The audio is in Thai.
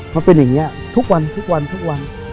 มันเป็นอย่างนี้ทุกวัน